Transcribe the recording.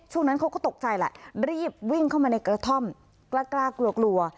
ช่วงนั้นเขาก็ตกใจละรีบวิ่งเข้ามาในกระท่อมกล้ากลัว